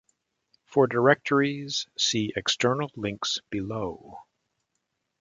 For directories, see external links below.